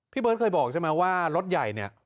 เบิร์ตเคยบอกใช่ไหมว่ารถใหญ่เนี่ย